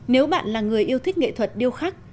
nếu bạn là người yêu thích nghệ thuật điêu khắc